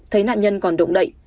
thấy nạn nhân còn động đậy